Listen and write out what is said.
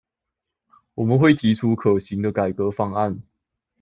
我們會提出可行的改革方案